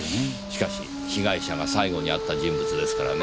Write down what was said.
しかし被害者が最後に会った人物ですからね。